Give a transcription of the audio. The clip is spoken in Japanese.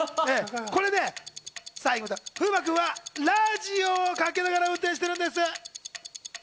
これね、風磨君はラジオをかけながら運転してるんです。